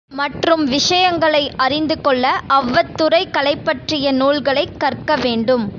மற்றும் விஷயங்களை அறிந்துகொள்ள அவ்வத் துறைகளைப்பற்றிய நூல்களைக் கற்க வேண்டும்.